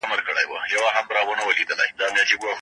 د لویدیځ ګړدود غږونه په دې شعر کې لږ لیدل کېږي.